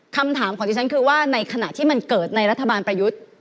คำถามของดิฉันคือว่าในขณะที่มันเกิดในรัฐบาลประยุทธ์